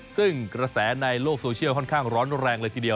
ซึ่งกระแสในโลกโซเชียลค่อนข้างร้อนแรงเลยทีเดียว